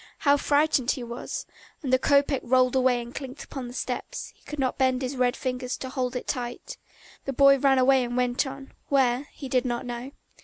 How frightened he was. And the kopeck rolled away and clinked upon the steps; he could not bend his red fingers to hold it tight. The boy ran away and went on, where he did not know.